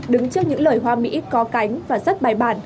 đứng trước những lời hoa mỹ có cánh và rất bài bản